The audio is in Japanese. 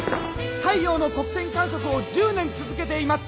太陽の黒点観測を１０年続けています！